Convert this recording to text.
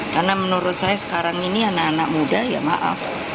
karena menurut saya sekarang ini anak anak muda ya maaf